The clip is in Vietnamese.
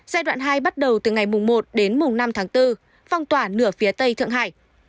giai đoạn hai bắt đầu từ ngày một đến năm tháng bốn phong tỏa nửa phía tây thượng hải